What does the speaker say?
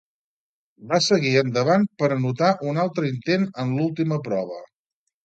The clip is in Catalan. Va seguir endavant per anotar un altre intent en l'última prova.